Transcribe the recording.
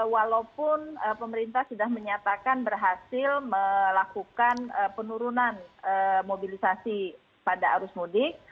walaupun pemerintah sudah menyatakan berhasil melakukan penurunan mobilisasi pada arus mudik